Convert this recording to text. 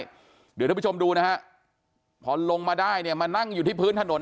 เดี๋ยวท่านผู้ชมดูนะฮะพอลงมาได้เนี่ยมานั่งอยู่ที่พื้นถนน